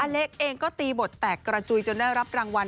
เล็กเองก็ตีบทแตกกระจุยจนได้รับรางวัล